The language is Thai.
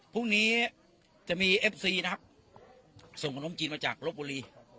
พรุ่งนี้จะมีเอฟซีนะครับส่งขนมจีนมาจากรบบุรี